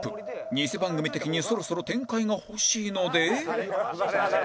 ニセ番組的にそろそろ展開が欲しいので